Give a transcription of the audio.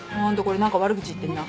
なんか悪口言ってんな。